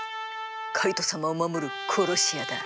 カイト様を守る殺し屋だ。